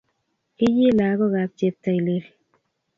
Kiyi lakok ab cheptailel